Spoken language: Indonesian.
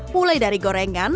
mulai dari gorengan